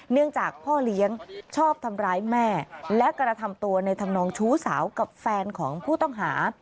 เนื่องจากพ่อเลี้ยงชอบทำร้ายแม่และกระทำตัวในธรรมนองชู้สาวกับแฟนของผู้ต้องหา